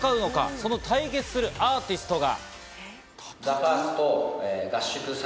その対決するアーティストが。